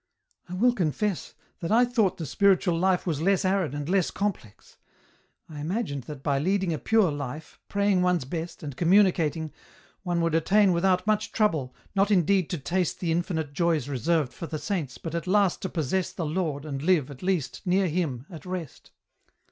'*" I will confess that I thought the spiritual life was less arid and less complex. I imagined that by leading a pure life, praying one's best, and communicating, one would attain without much trouble, not indeed to taste the in finite joys reserved for the saints, but at last to possess the Lord, and live, at least, near Him, at rest.